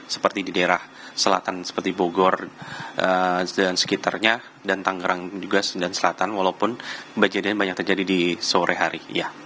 seperti di daerah selatan seperti bogor dan sekitarnya dan tangerang juga dan selatan walaupun kejadian banyak terjadi di sore hari